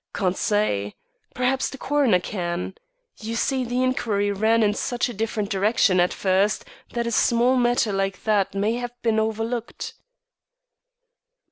"Can't say. Perhaps the coroner can. You see the inquiry ran in such a different direction, at first, that a small matter like that may have been overlooked."